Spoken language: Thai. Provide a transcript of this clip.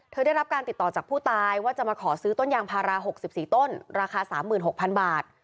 ได้รับการติดต่อจากผู้ตายว่าจะมาขอซื้อต้นยางพารา๖๔ต้นราคา๓๖๐๐๐บาท